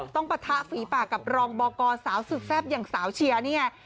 ปะทะฝีปากกับรองบอกสาวสุดแซ่บอย่างสาวเชียร์นี่ไง